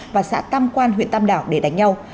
và xã tam quan huyện tam đảo để đánh nhau